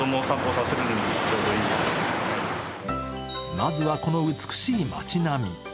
まずはこの美しい町並み。